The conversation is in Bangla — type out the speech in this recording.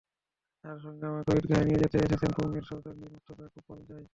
তাঁর সঙ্গে আমাকে ঈদগাহে নিয়ে যেতে এসেছেন কওমের সরদার মীর মোর্তজা পোপালজাই।